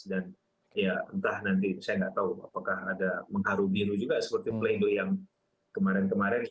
dan ya entah nanti saya nggak tahu apakah ada mengharu biru juga seperti pledoi yang kemarin kemarin